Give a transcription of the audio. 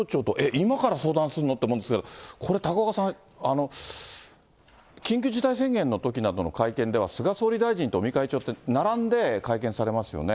今から相談すんの？って思うんですけど、これ高岡さん、緊急事態宣言のときなどの会見では、菅総理大臣と尾身会長って、並んで会見されますよね。